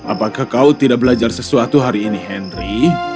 apakah kau tidak belajar sesuatu hari ini henry